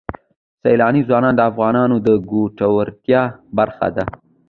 سیلانی ځایونه د افغانانو د ګټورتیا برخه ده.